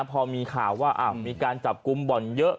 พอมีข่าวว่ามีการจับกลุ่มบ่อนเยอะ